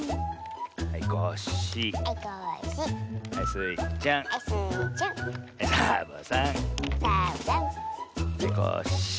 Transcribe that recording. はいコッシー。